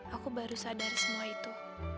aku baru sadar semua itu